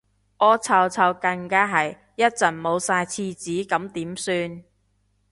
屙臭臭更加係，一陣冇晒廁紙咁點算